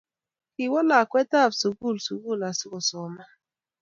Kiwoo lakwetab sugul sugul asigosoman